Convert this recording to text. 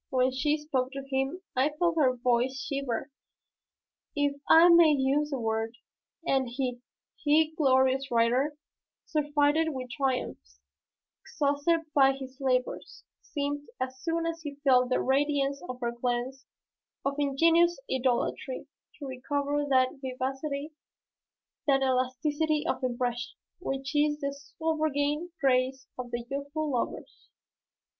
When she spoke to him, I felt her voice shiver, if I may use the word, and he, he glorious writer, surfeited with triumphs, exhausted by his labors, seemed, as soon as he felt the radiance of her glance of ingenuous idolatry, to recover that vivacity, that elasticity of impression, which is the sovereign grace of youthful lovers.